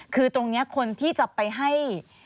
คือตรงนี้คนที่จะไปให้